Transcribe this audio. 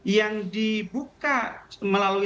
yang dibuka melalui